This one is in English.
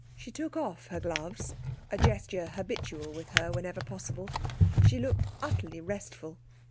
She took off her gloves a gesture habitual with her whenever possible. She looked utterly restful.